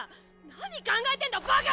何考えてんだバカ！